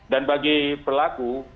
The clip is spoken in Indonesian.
dan bagi pelaku